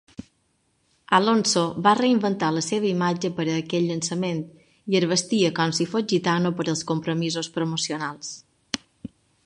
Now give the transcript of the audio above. Alonso va reinventar la seva imatge per a aquest llançament, i es vestia com si fos gitano per als compromisos promocionals.